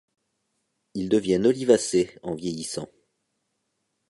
Ils deviennent olivacés en vieillissant.